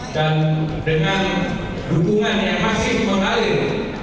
dan dengan dukungan yang masih mengalir